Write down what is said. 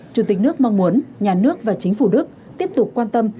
chủ tịch nước mong muốn nhà nước và chính phủ đức tiếp tục quan tâm